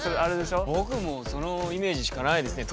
僕もそのイメージしかないですね。